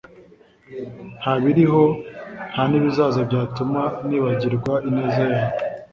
ntabiriho ntanibizaza byatuma nibagirwa ineza yawe